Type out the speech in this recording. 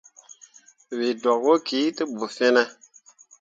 Wǝ ɗwak wo ki te ɓu fine ?